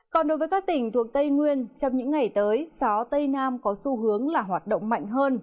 còn đối với các tỉnh thuộc tây nguyên trong những ngày tới gió tây nam có xu hướng là hoạt động mạnh hơn